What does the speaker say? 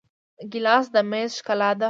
ګیلاس د میز ښکلا ده.